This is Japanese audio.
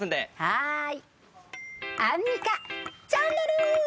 はい。